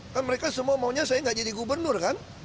kan mereka semua maunya saya nggak jadi gubernur kan